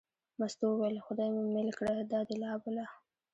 مستو وویل: خدای مې مېل کړه دا دې لا بله.